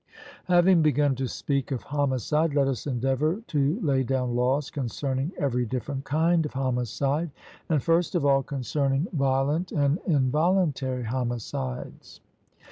Having begun to speak of homicide, let us endeavour to lay down laws concerning every different kind of homicide; and, first of all, concerning violent and involuntary homicides.